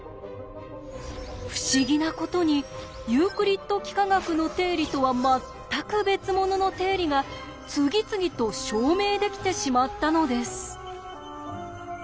不思議なことにユークリッド幾何学の定理とは全く別物の定理が次々と証明できてしまったのです。